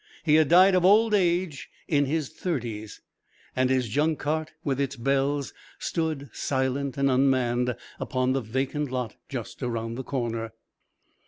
He had died of old age in his thirties. And his junk cart, with its bells, stood, silent and unmanned, upon the vacant lot just around the corner.